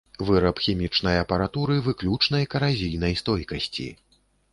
Выраб хімічнай апаратуры выключнай каразійнай стойкасці.